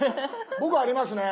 僕ありますね。